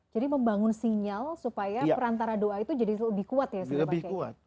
jadi membangun sinyal supaya perantara doa itu jadi lebih kuat ya